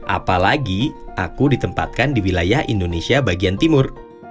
apalagi aku ditempatkan di wilayah indonesia bagian timur